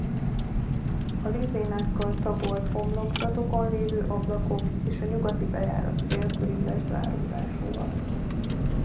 A lizénákkal tagolt homlokzatokon lévő ablakok és a nyugati bejárat félköríves záródásúak.